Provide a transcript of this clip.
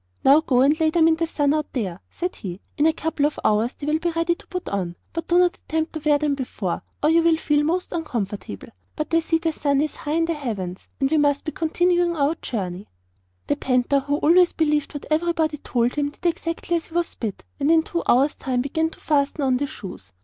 'Now go and lay them in the sun out there,' said he; 'in a couple of hours they will be ready to put on; but do not attempt to wear them before, or you will feel them most uncomfortable. But I see the sun is high in the heavens, and we must be continuing our journey.' The panther, who always believed what everybody told him, did exactly as he was bid, and in two hours' time began to fasten on the shoes.